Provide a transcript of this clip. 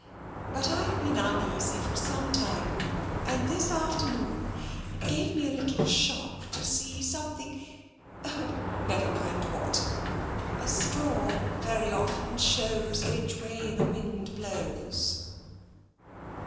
But Fve been uneasy for some time, and this afternoon it gave me a little shock to see something — oh, never mind what ! A straw very often shows which way the wind blows."